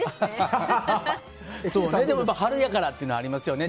春やからっていうのはありますよね。